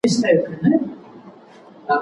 خپل او د نورو حقوق وپيژنئ.